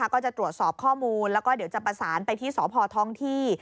ก็จะตรวจสอบข้อมูลแล้วก็เดี๋ยวจะประสานไปที่สพท้องที่